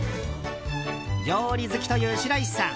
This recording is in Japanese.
料理好きという白石さん。